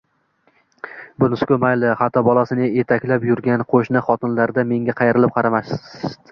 Bunisi-ku mayli, hatto bolasini etaklab yurgan qo`shni xotinlar-da menga qayrilib qarashmasdi